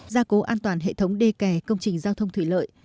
gia cố an toàn hệ thống đê kè công trình giao thông thủy lợi